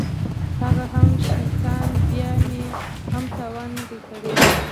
هغه هم شيطان بيا مې هم تاوان نه دى کړى.